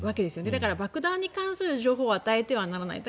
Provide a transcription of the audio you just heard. だから爆弾に関する情報を与えてはならない。